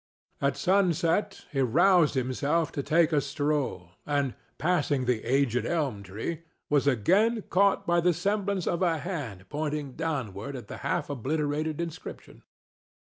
At sunset he roused himself to take a stroll, and, passing the aged elm tree, his eye was again caught by the semblance of a hand pointing downward at the half obliterated inscription.